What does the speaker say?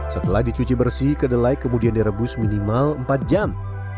setelah dicuci bersih kedelai kemudian direbus minimal empat jam